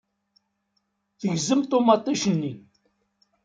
Tegzem ṭumaṭic-nni.